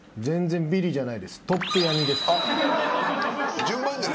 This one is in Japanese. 全然ビリじゃない。